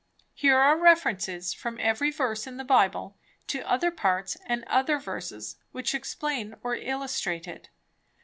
Here are references from every verse in the Bible to other parts and other verses which explain or illustrate it.